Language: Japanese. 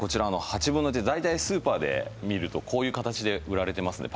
８分の１スーパーで見ると大体こういう形で売られていますね